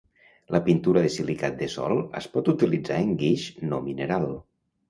La pintura de silicat de sol es pot utilitzar en guix no mineral.